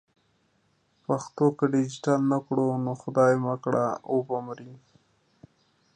پښتو که ډیجیټل نه کړو نو خدای مه کړه و به مري.